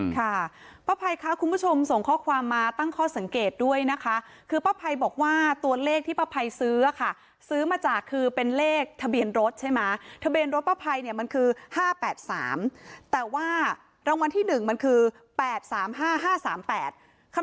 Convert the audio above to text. ค่ะป้าพัยคะคุณผู้ชมส่งข้อความมาตั้งข้อสังเกตด้วยนะคะคือป้าพัยบอกว่าตัวเลขที่ป้าพัยซื้อค่ะซื้อมาจากคือเป็นเลขทะเบียนรถใช่ไหม